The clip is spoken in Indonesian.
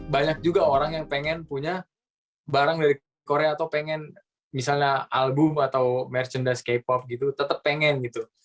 banyak juga orang yang pengen punya barang dari korea atau pengen misalnya album atau merchandise k pop gitu tetap pengen gitu